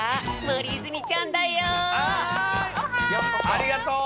ありがとう！